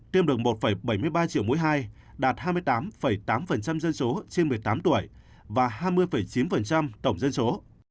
tiêm được một bảy mươi ba triệu mũi hai đạt hai mươi tám tám dân số trên một mươi tám tuổi và hai mươi chín tổng dân số